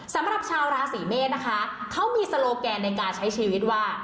สำหรับชาวราศีเมษนะคะเขามีโลแกนในการใช้ชีวิตว่า